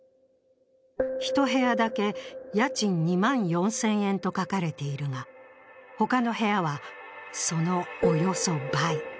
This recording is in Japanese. １部屋だけ家賃２万４０００円と書かれているが、他の部屋はそのおよそ倍。